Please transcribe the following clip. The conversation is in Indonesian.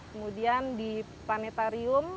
kemudian di planetarium